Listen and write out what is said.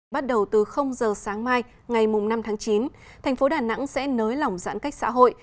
bắt đầu từ giờ sáng mai ngày năm tháng chín thành phố đà nẵng sẽ nới lỏng giãn cách xã hội